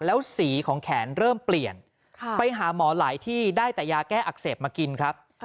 แล้วสีของแขนเริ่มเปลี่ยนไปหาหมอหลายที่ได้แต่ยาแก้อักเสบมากินครับ